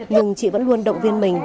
nhưng chị vẫn luôn động viên mình